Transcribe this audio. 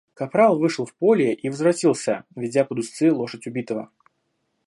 Капрал вышел в поле и возвратился, ведя под уздцы лошадь убитого.